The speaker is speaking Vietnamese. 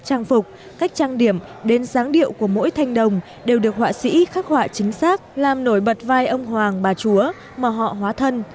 trang phục cách trang điểm đến giáng điệu của mỗi thanh đồng đều được họa sĩ khắc họa chính xác làm nổi bật vai ông hoàng bà chúa mà họ hóa thân